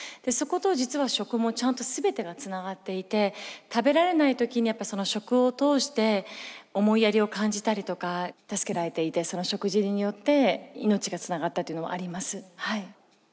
そこと実は食もちゃんと全てがつながっていて食べられない時にやっぱその食を通して思いやりを感じたりとか助けられていてその食事によって命がつながったっていうのもあります。